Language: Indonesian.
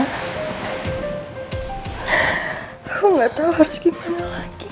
aku gak tau harus gimana lagi